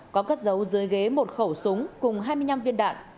có cất dấu dưới ghế một khẩu súng cùng hai mươi năm viên đạn